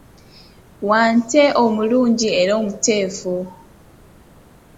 Wante omulungi era omuteefu!